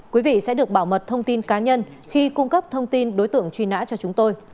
quý vị sẽ được bảo mật thông tin cá nhân khi cung cấp thông tin đối tượng truy nã cho chúng tôi